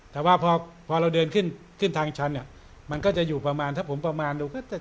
แต่ว่าพอเราเดินขึ้นขึ้นทางชั้นเนี่ยมันก็จะอยู่ประมาณถ้าผมประมาณดูก็จะ